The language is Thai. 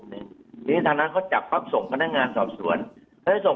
หนึ่งทีทางนั้นเขาจับปั๊บส่งพนักงานสอบสวนเขาจะส่ง